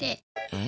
え？